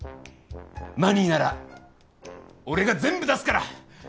マニーなら俺が全部出すから！